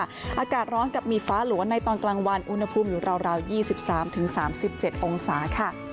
อากาศร้อนกับมีฟ้าหลัวในตอนกลางวันอุณหภูมิอยู่ราว๒๓๓๗องศาค่ะ